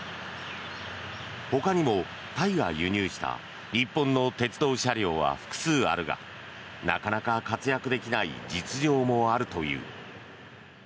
ほかにもタイが輸入した日本の鉄道車両は複数あるがなかなか活躍できない実情もあるという。